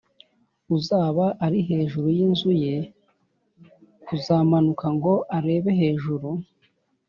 uzaba ari hejuru y inzu ye kuzamanuka ngo arebe hejuru